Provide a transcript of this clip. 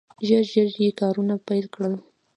ژر ژر یې کارونه پیل کړل.